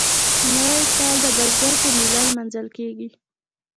نوی کال د بزګر په میله لمانځل کیږي.